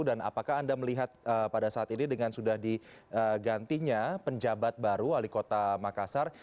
dan apakah anda melihat pada saat ini dengan sudah digantinya penjabat baru wali kota makassar